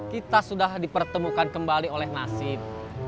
kita sudah dipertemukan kembali oleh nasib